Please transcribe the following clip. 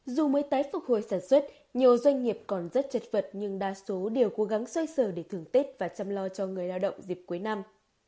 dù mới tái phục hồi sản xuất nhiều doanh nghiệp còn rất chật vật nhưng đa số đều cố gắng xoay sở để thưởng tết và chăm lo cho người lao động dịp cuối năm